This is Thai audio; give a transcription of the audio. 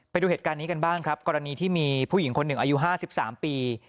ไปดูเหตุการณ์นี้กันบ้างครับกรณีที่มีผู้หญิงคนหนึ่งอายุ๕๓ปี